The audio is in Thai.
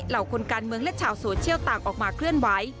คนการเมืองและชาวโซเชียลต่างออกมาเคลื่อนไหว